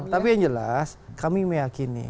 tapi yang jelas kami meyakini